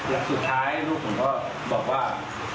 แล้วสุดท้ายลูกผมก็บอกว่า